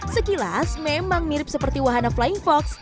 sekilas memang mirip seperti wahana flying fox